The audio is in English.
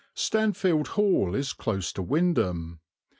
Stanfield Hall is close to Wymondham.